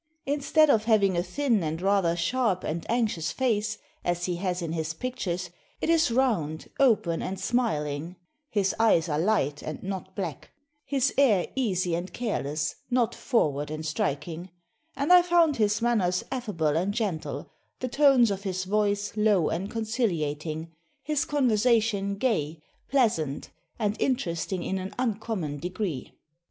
Instead of having a thin and rather sharp and anxious face, as he has in his pictures, it is round, open, and smiling; his eyes are light, and not black; his air easy and careless, not forward and striking; and I found his manners affable and gentle, the tones of his voice low and conciliating, his conversation gay, pleasant, and interesting in an uncommon degree."